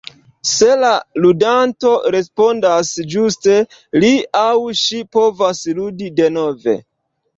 Se la ludanto respondas ĝuste, li aŭ ŝi povas ludi denove.